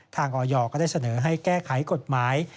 ออยก็ได้เสนอให้แก้ไขกฎหมาย